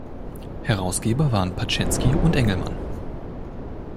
Herausgeber waren Paczensky und Engelmann.